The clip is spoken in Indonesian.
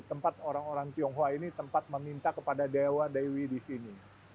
tempat orang orang tionghoa ini tempat meminta kepada dewa dewi di sini